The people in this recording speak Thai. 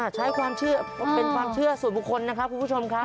ใช้ความเชื่อเป็นความเชื่อส่วนบุคคลนะครับคุณผู้ชมครับ